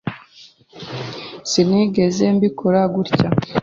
Sinigeze mbikora gutya.